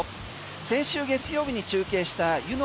先週月曜日に中継した湯ノ